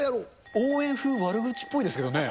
応援風悪口っぽいですけどね。